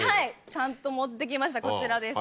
ちゃんと持ってきましたこちらです。